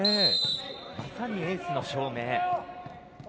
まさに、エースの証明。